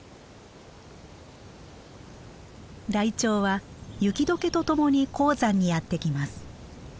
ライチョウは雪解けとともに高山にやって来ます。